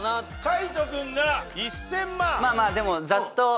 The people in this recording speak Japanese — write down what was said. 海人君が「１０００万」。